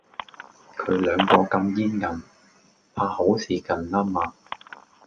佢兩個咁煙韌，怕好事近啦嗎？